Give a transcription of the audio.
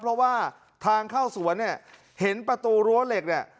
เพราะว่าทางเข้าสวนเนี่ยเห็นประตูรั้วเหล็กเนี่ย